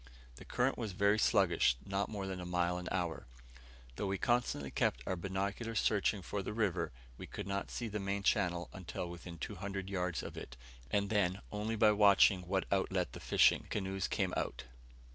The current was very sluggish; not more than a mile an hour. Though we constantly kept our binocular searching for the river, we could not see the main channel until within 200 yards of it, and then only by watching by what outlet the fishing; canoes came out.